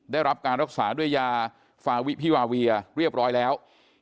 ได้รับการรักษาด้วยยาฟาวิพิวาเวียเรียบร้อยแล้ว